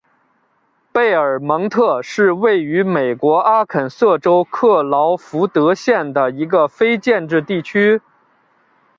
贝尔蒙特是位于美国阿肯色州克劳福德县的一个非建制地区。